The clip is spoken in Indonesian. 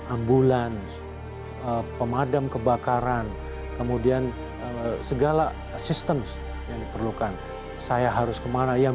ambulans pemadam kebakaran kemudian segala sistem yang diperlukan saya harus kemana yang